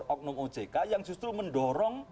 oknum ojk yang justru mendorong